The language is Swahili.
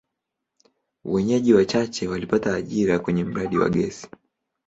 Wenyeji wachache walipata ajira kwenye mradi wa gesi.